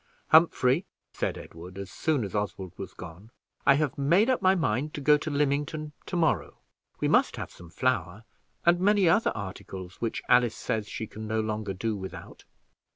"Humphrey," said Edward, as soon as Oswald was gone, "I have made up my mind to go to Lymington to morrow We must have some flour, and many other articles, which Alice says she can no longer do without."